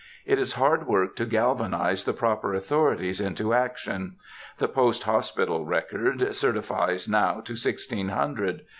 It is hard work to galvanize the proper authorities into action. The post hospital record certifies now to sixteen hundred.